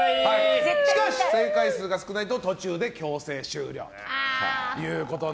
しかし正解数が少ないと途中で強制終了です。